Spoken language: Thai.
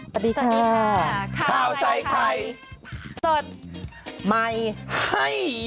แม่ใสใสไข่สดใหม่ให้เยอะ